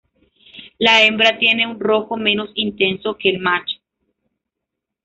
La hembra tiene un rojo menos intenso que el macho.